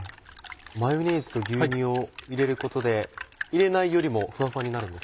マヨネーズと牛乳を入れることで入れないよりもふわふわになるんですか？